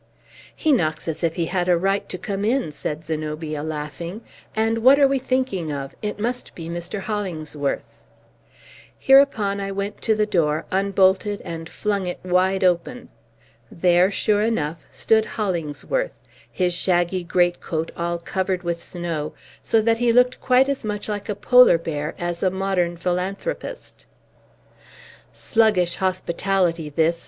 "He knocks as if he had a right to come in," said Zenobia, laughing. "And what are we thinking of? It must be Mr. Hollingsworth!" Hereupon I went to the door, unbolted, and flung it wide open. There, sure enough, stood Hollingsworth, his shaggy greatcoat all covered with snow, so that he looked quite as much like a polar bear as a modern philanthropist. "Sluggish hospitality this!"